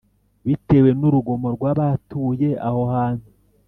bitewe n urugomo rwabatuye aho hantu